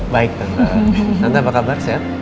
baik tante tante apa kabar sehat